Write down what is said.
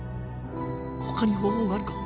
他に方法があるか？